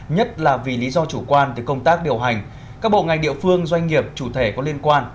nhất là vì lý do chủ quan từ công tác điều hành các bộ ngành địa phương doanh nghiệp chủ thể có liên quan